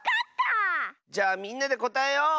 じゃあみんなでこたえよう！